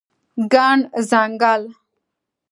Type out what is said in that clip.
ګڼ ځنګل